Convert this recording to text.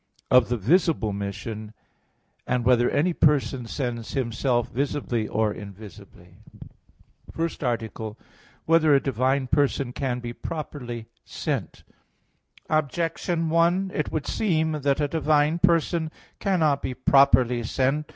(7) Of the visible mission. (8) Whether any person sends Himself visibly or invisibly? _______________________ FIRST ARTICLE [I, Q. 43, Art. 1] Whether a Divine Person Can Be Properly Sent? Objection 1: It would seem that a divine person cannot be properly sent.